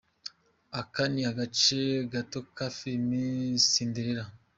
Aka ni agace gato ka Filimi Cinderella.